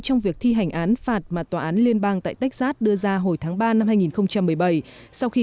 trong việc thi hành án phạt mà tòa án liên bang tại texas đưa ra hồi tháng ba năm hai nghìn một mươi bảy sau khi